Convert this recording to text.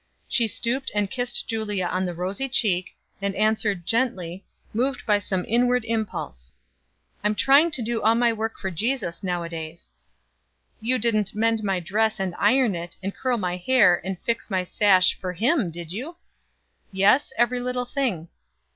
She stooped and kissed Julia on the rosy cheek, and answered gently, moved by some inward impulse: "I am trying to do all my work for Jesus nowadays." "You didn't mend my dress and iron it, and curl my hair, and fix my sash, for him, did you?" "Yes; every little thing."